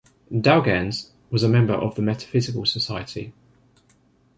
Dalgairns was a member of the Metaphysical Society.